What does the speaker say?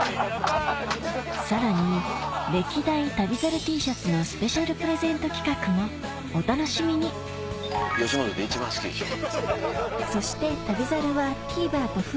さらに歴代旅猿Ｔシャツのスペシャルプレゼント企画もお楽しみに吉本で一番好きでしょ。